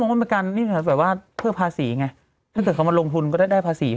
แต่เขาก็มองว่านี่แบบว่าเพื่อภาษีไงถ้าเกิดเขามาลงทุนก็ได้ภาษีเพิ่ม